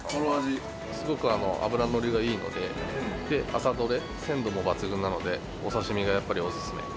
すごく脂のりがいいので朝どれ鮮度も抜群なのでお刺し身がやっぱりおすすめ。